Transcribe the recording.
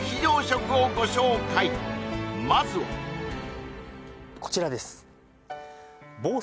まずはこちらです